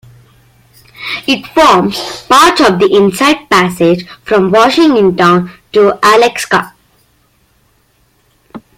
It forms part of the Inside Passage from Washington to Alaska.